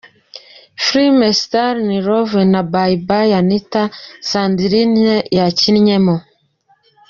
Filime Star In Love na Bayi Bayi Anita, Sandrine yakinnyemo.